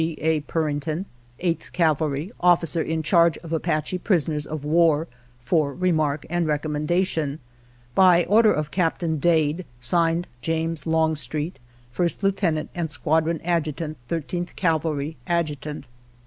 G. A. Puring tion, 8th Cavalry, Officer in Charge of Apache pris oners of war, for remark and recommendation. By Order of Captain Dade. (Signed) James Lonostreet, 1st. Lieut. & Sqdn. Adjt., 13th Cavalry. Adjutant.